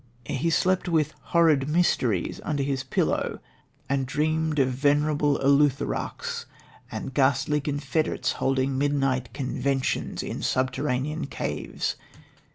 "He slept with Horrid Mysteries under his pillow, and dreamed of venerable eleutherarchs and ghastly confederates holding midnight conventions in subterranean caves...